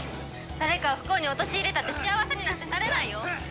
誰かを不幸に陥れたって幸せになんてなれないよ！